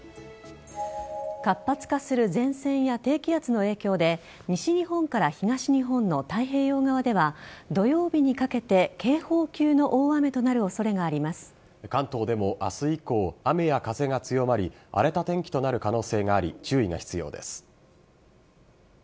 活発化する前線や低気圧の影響で西日本から東日本の太平洋側では土曜日にかけて警報級の大雨となる関東でも明日以降雨や風が強まり荒れた天気となる可能性があり注意が必要です。